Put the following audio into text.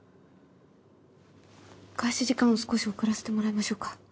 開始時間を少し遅らせてもらいましょうか？